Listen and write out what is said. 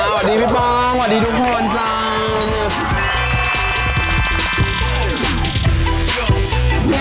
หวัดดีพี่ป้องหวัดดีทุกคนจ้า